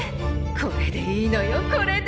これでいいのよこれで！